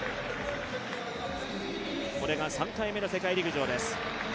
これが３回目の世界陸上です。